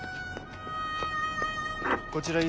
こちらＥ